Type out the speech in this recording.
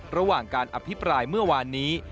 ระหว่างการอภิปรายเมื่อวานนี้